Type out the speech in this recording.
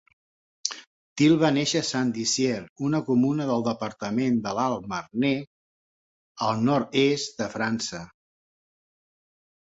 Thil va néixer a Saint-Dizier, una comuna del departament d'Alt Marne, al nord-est de França.